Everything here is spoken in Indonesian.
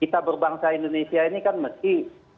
kita berbangsa indonesia ini kan mesti